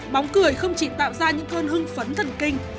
bóng cười không chỉ tạo ra những cơn hưng phấn thần kinh